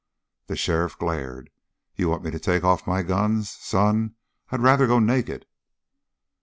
The sheriff glared. "You want me to take off my guns? Son, I'd rather go naked!"